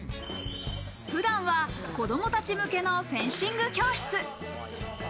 普段は子供たち向けのフェンシング教室。